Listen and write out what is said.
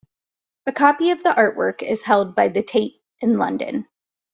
A copy of the artwork is held by the Tate in London.